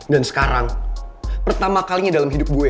dan sekarang pertama kalinya dalam hidup gue